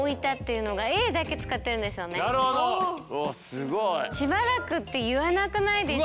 すごい！「しばらく」って言わなくないですか？